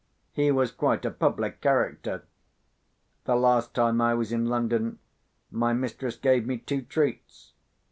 He was quite a public character. The last time I was in London, my mistress gave me two treats.